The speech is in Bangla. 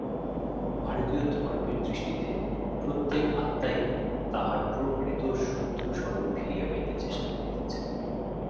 ভারতীয় ধর্মের দৃষ্টিতে প্রত্যেক আত্মাই তাহার প্রকৃত শুদ্ধ স্বরূপ ফিরিয়া পাইতে চেষ্টা করিতেছে।